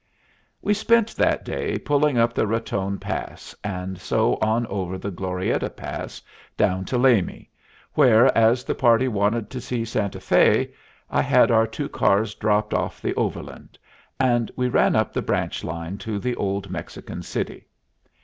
We spent that day pulling up the Raton pass, and so on over the Glorietta pass down to Lamy, where, as the party wanted to see Santa Fé, I had our two cars dropped off the overland, and we ran up the branch line to the old Mexican city.